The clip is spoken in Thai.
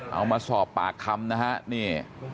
เอามาสอบปากคำนะฮะนี่